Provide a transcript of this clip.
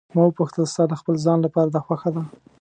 ما وپوښتل: ستا د خپل ځان لپاره دا خوښه ده.